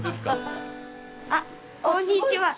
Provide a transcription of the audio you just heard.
あっこんにちは。